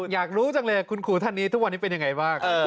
อยากรู้จังเลยคุณครูท่านนี้ทุกวันนี้เป็นยังไงบ้าง